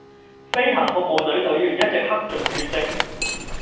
飛行服務隊隊員一直克盡厥職